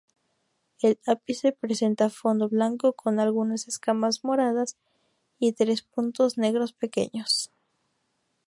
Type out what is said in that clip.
El ápice presenta fondo blanco con algunas escamas moradas y tres puntos negros pequeños.